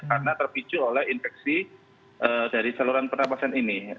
karena terpicu oleh infeksi dari saluran pernapasan ini